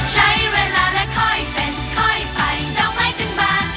ใช้เวลาและค่อยเป็นค่อยไปเจ้าไปถึงบ้าน